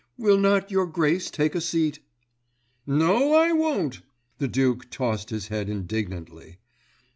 "Will not Your Grace take a seat." "No, I won't!" the Duke tossed his head indignantly.